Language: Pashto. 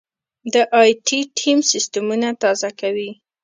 دا ائ ټي ټیم سیستمونه تازه کوي.